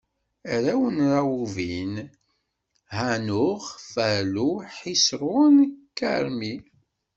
Arraw n Rawubin: Ḥanux, Falu, Ḥiṣrun, Karmi.